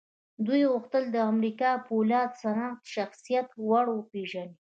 دوی غوښتل د امريکا د پولادو صنعت شخصيت ور وپېژني.